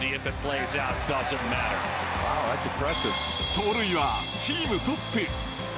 盗塁はチームトップ。